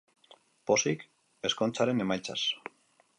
Pozik, ezkontzaren emaitzaz.